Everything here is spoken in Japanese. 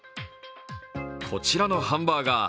こちらのハンバーガー。